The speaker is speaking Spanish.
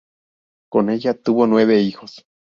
Con ella tuvo nueve hijos.